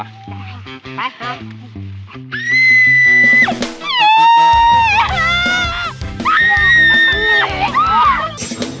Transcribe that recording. ไปครับ